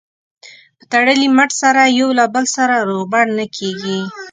په تړلي مټ سره یو له بل سره روغبړ نه کېږي.